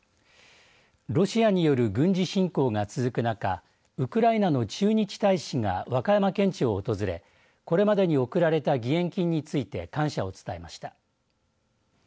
ロシアによる軍事侵攻が続く中ウクライナの駐日大使が和歌山県庁を訪れこれまでに贈られた義援金について感謝を伝えました。